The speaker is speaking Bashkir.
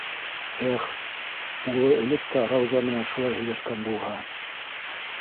Эх, улы элек тә Рауза менән шулай һөйләшкән булһа!